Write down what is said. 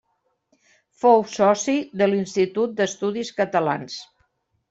Fou soci de l'Institut d'Estudis Catalans.